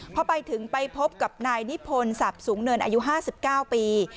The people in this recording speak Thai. พอไปถึงไปพบกับนายนิพนธ์สับสูงเนินอายุห้าสิบเก้าปี